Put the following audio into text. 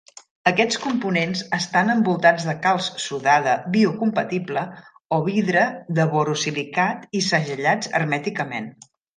Aquests components estan envoltats de calç sodada biocompatible o vidre de borosilicat i segellats hermèticament.